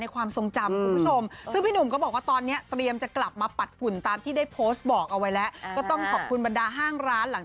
เอาเรียนลองดัง